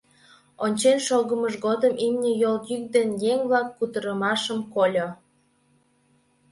Ончен шогымыж годым имне йол йӱк ден еҥ-влак кутырымашым кольо.